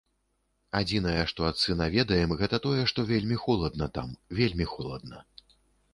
Адзінае, што ад сына ведаем, гэта тое, што вельмі холадна там, вельмі холадна.